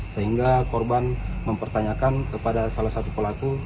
sehingga korban mempertanyakan kepada salah satu pelaku